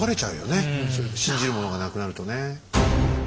信じるものがなくなるとね。